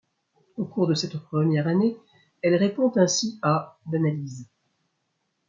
Au cours de cette première année elle répond ainsi à d'analyses.